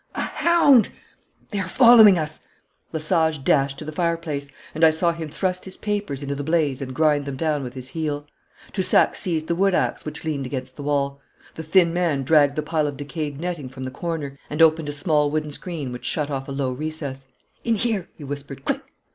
'A hound!' 'They are following us!' Lesage dashed to the fireplace, and I saw him thrust his papers into the blaze and grind them down with his heel. Toussac seized the wood axe which leaned against the wall. The thin man dragged the pile of decayed netting from the corner, and opened a small wooden screen, which shut off a low recess. 'In here,' he whispered, 'quick!'